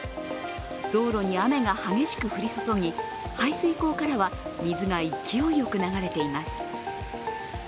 道路に雨が激しく降り注ぎ排水溝からは水が勢いよく流れています。